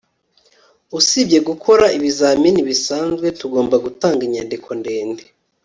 usibye gukora ibizamini bisanzwe, tugomba gutanga inyandiko ndende